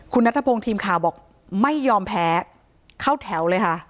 คุณนัทพงศ์ทีมข่าวบอกไม่ยอมแพ้เข้าแถวเลยค่ะ